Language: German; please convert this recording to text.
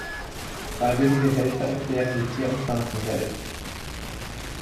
Freiwillige Helfer erklären die Tier- und Pflanzenwelt.